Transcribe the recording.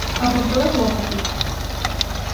A por todas ou a por ti.